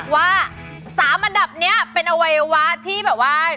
ว่า๓อันดับนี้เป็นอวัยวะที่แบบว่า